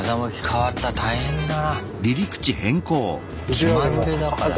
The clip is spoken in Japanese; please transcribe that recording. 気まぐれだからな。